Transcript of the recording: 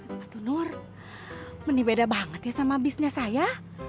atunur ini beda banget ya sama bisnya saya